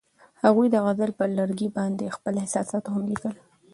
هغوی د غزل پر لرګي باندې خپل احساسات هم لیکل.